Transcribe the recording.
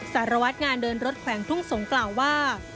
สารวัตรงานเดินรถแขวงทุ่งสงกล่าวว่า